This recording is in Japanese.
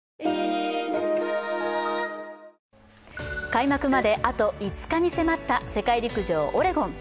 開幕まであと５日に迫った世界陸上オレゴン。